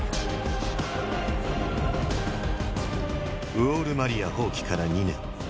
ウォール・マリア放棄から２年。